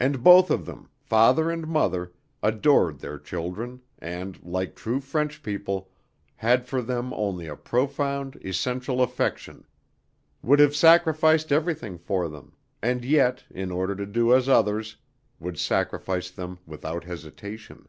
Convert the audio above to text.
And both of them, father and mother, adored their children and, like true French people, had for them only a profound, essential affection, would have sacrificed everything for them, and yet, in order to do as others, would sacrifice them without hesitation.